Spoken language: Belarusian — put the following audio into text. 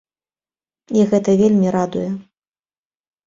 І гэта вельмі радуе.